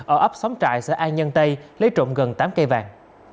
ở ấp xóm trại xã an nhân tây lấy trộm gần tám cây vàng